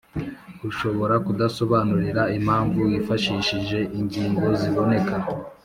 Ushobora Kubasobanurira Impamvu Wifashishije Ingingo Ziboneka